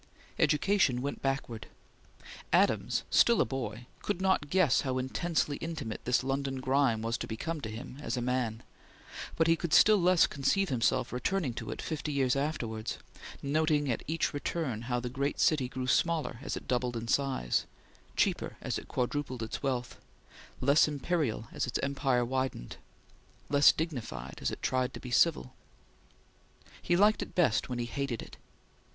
Education went backward. Adams, still a boy, could not guess how intensely intimate this London grime was to become to him as a man, but he could still less conceive himself returning to it fifty years afterwards, noting at each turn how the great city grew smaller as it doubled in size; cheaper as it quadrupled its wealth; less imperial as its empire widened; less dignified as it tried to be civil. He liked it best when he hated it.